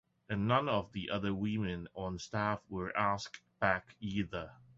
And none of the other women on staff were asked back either.